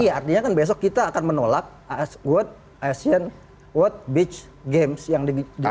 iya artinya kan besok kita akan menolak world beach games yang disegarakan di bali